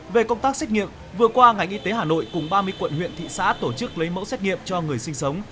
về công tác xét nghiệm vừa qua ngành y tế hà nội cùng ba mươi quận huyện thị xã tổ chức lấy mẫu xét nghiệm cho người sinh sống